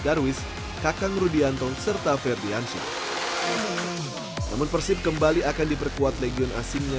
darwis kakang rudianto serta ferdiansyah namun persib kembali akan diperkuat legion asingnya